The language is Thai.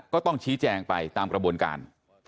ก็ต้องชี้แจงไปตามกระบวนการ